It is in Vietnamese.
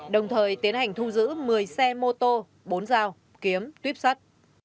đồng thời tiến hành thu giữ một mươi xe mô tô bốn dao kiếm tuyếp sắt